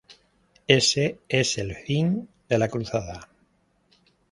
Ese es el fin de la Cruzada.